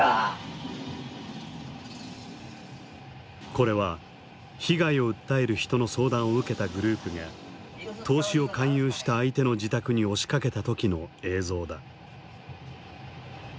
これは被害を訴える人の相談を受けたグループが投資を勧誘した相手の自宅に押しかけた時の映像だ。